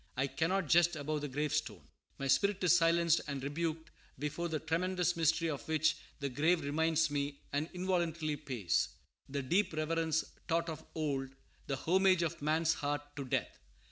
I cannot jest above the gravestone. My spirit is silenced and rebuked before the tremendous mystery of which the grave reminds me, and involuntarily pays: "The deep reverence taught of old, The homage of man's heart to death."